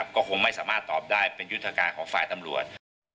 ก็คงไม่สามารถตอบได้เป็นยุทธการของฝ่ายตำรวจ